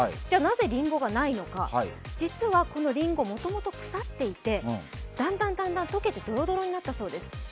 じゃあなぜりんごがないのか、実はこのりんご、もともと腐っていて、だんだん解けてどろどろになったそうです。